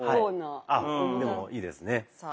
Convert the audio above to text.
あっでもいいですね。